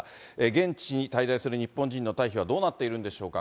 現地に滞在する日本人の退避はどうなっているんでしょうか。